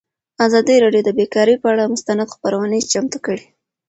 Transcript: ازادي راډیو د بیکاري پر اړه مستند خپرونه چمتو کړې.